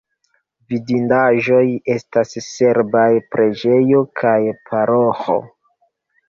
Vidindaĵoj estas serbaj preĝejo kaj paroĥo.